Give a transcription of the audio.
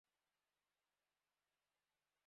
ہمیں تو نے کوئی ریلوے گارڈ سمجھ رکھا ہے؟